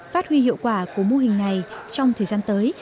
phát huy hiệu quả của mô hình này trong thời gian tới